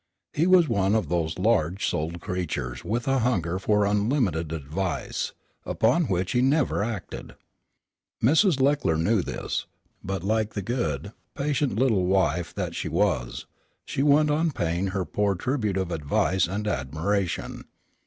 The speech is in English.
He was one of those large souled creatures with a hunger for unlimited advice, upon which he never acted. Mrs. Leckler knew this, but like the good, patient little wife that she was, she went on paying her poor tribute of advice and admiration.